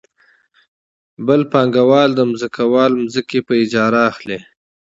بل پانګوال د ځمکوال ځمکې په اجاره اخلي